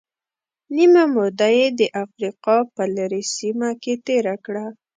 نیمه موده یې د افریقا په لرې سیمه کې تېره کړه.